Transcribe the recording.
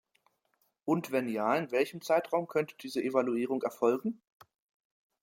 Und wenn ja, in welchem Zeitraum könnte diese Evaluierung erfolgen?